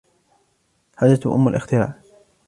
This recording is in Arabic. الحاجة أم الإختراع.